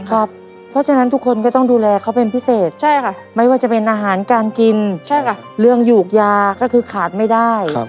เพราะฉะนั้นทุกคนก็ต้องดูแลเขาเป็นพิเศษไม่ว่าจะเป็นอาหารการกินเรื่องหยูกยาก็คือขาดไม่ได้